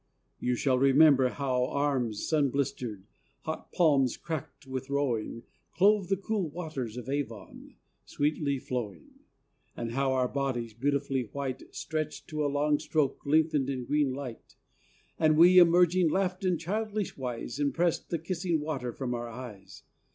You shall remember How arms sun blistered, hot palms crack’d with rowing, Clove the cool water of Avon, sweetly flowing; And how our bodies, beautifully white, Stretch’d to a long stroke lengthened in green light, And we, emerging, laughed in childish wise, And pressed the kissing water from our eyes.